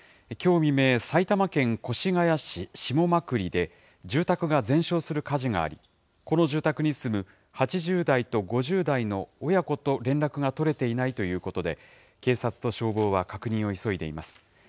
きょう未明、埼玉県越谷市下間久里で、住宅が全焼する火事があり、この住宅に住む８０代と５０代の親子と連絡が取れていないということで、警察と消防は確認を急いでいます。